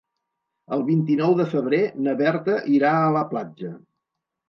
El vint-i-nou de febrer na Berta irà a la platja.